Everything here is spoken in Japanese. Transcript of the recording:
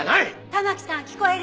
玉城さん聞こえる？